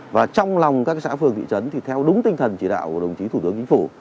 và trong lòng các xã phường thị trấn thì theo đúng tinh thần chỉ đạo của đồng chí thủ tướng chính phủ